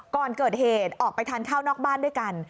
ก่อนเกิดเหตุออกไปทานข้าวนอกบ้านด้วยกัน